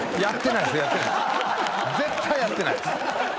やってないっす。